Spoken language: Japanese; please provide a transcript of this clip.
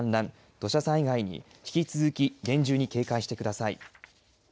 土砂災害に引き続き厳重に警戒してください。